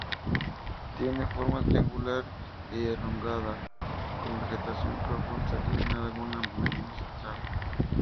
Tiene forma triangular y elongada, con vegetación profusa y una laguna marina central.